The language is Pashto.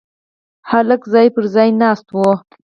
هلک ځای پر ځای ناست و.